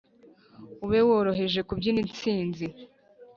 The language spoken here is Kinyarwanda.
Ube woroheje kubyina intsinzi